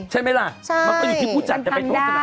ใช่มั้ยล่ะมันก็อยู่ที่ผู้จัด